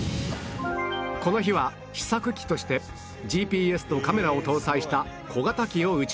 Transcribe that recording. この日は試作機として ＧＰＳ とカメラを搭載した小型機を打ち上げる